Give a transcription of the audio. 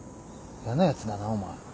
やなやつだなお前。